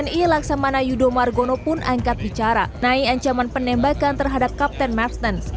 panglima tni laksamana yudho margono pun angkat bicara naik ancaman penembakan terhadap kapten merksten